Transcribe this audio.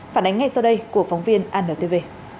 phản ánh ngay sau đây của phóng viên anntv